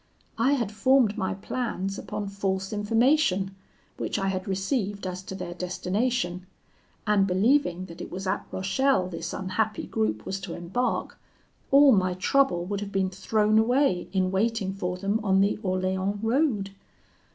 I had formed my plans upon false information, which I had received as to their destination; and believing that it was at Rochelle this unhappy group was to embark, all my trouble would have been thrown away in waiting for them on the Orleans road.